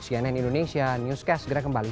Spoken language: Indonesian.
cnn indonesia newscast segera kembali